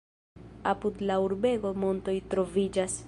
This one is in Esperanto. Apud la urbego montoj troviĝas.